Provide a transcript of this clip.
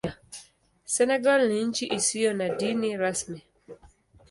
Senegal ni nchi isiyo na dini rasmi.